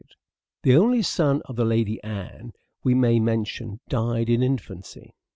The only son of the Lady Anne, we may mention, died in infancy.